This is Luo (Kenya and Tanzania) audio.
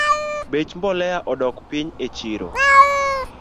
Bech mbolea odok piny echiro